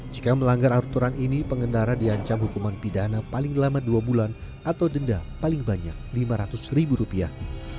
jika melanggar aturan ini pengendara diancam hukuman pidana paling lama dua bulan atau denda paling banyak lima ratus ribu rupiah